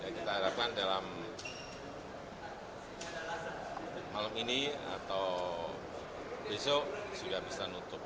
kita harapkan dalam malam ini atau besok sudah bisa nutup